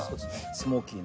スモーキーな。